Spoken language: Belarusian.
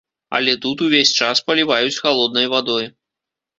Але тут увесь час паліваюць халоднай вадой.